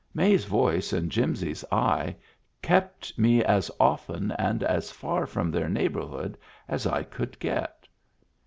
May's voice and Jimsy's eye kept me as often and as far from their neighborhood as I could get.